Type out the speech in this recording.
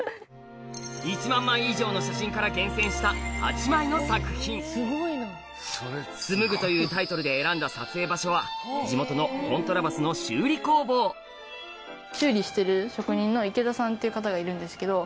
１万枚以上の写真から厳選した８枚の作品「紡ぐ」というタイトルで選んだ撮影場所は地元のコントラバスの修理工房っていう方がいるんですけど。